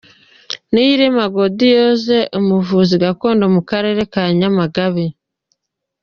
Niyirema Gaudiose, umuvuzi gakondo mu karere ka Nyamagabe.